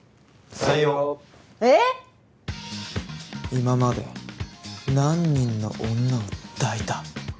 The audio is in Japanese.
今まで何人の女を抱いた？